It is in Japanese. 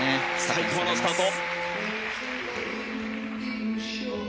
最高のスタート。